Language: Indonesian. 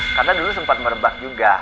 karena dulu sempat merebak juga